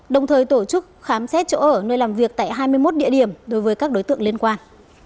đồng thời tổ chức khám xét chỗ ở nơi làm việc tại hai mươi một địa điểm đối với các đối tượng liên quan